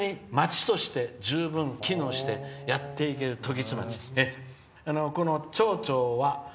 全然、普通に町として十分、機能してやっていける時津町。